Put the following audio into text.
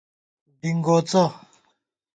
ڈِنگوڅہ